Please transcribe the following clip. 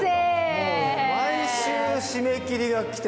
もう毎週締め切りが来て。